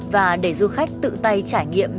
và để du khách tự tay trải nghiệm